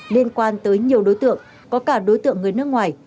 liên quan tới nhiều đối tượng có cả đối tượng người nước ngoài